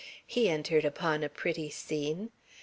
He entered upon a pretty scene.